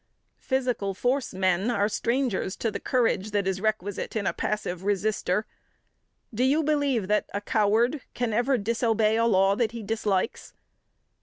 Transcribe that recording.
Physical force men are strangers to the courage that is requisite in a passive resister. Do you believe that a coward can ever disobey a law that he dislikes?